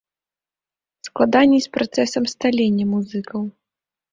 Складаней з працэсам сталення музыкаў.